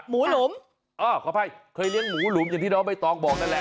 หมูหลุมขออภัยเคยเลี้ยงหมูหลุมอย่างที่น้องใบตองบอกนั่นแหละ